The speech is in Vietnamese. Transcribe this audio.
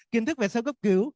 kiến thức về sơ cấp cứu